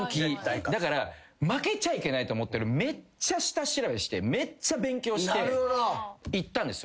だから負けちゃいけないと思って俺めっちゃ下調べしてめっちゃ勉強していったんですよ。